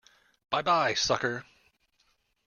Bye-bye, sucker!